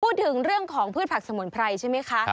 พูดถึงเรื่องของพืชผักสมุนไพรใช่ไหมคะ